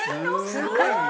すごーい！